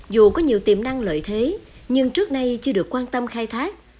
dù có nhiều tiềm năng lợi thế nhưng trước nay chưa được quan tâm khai thác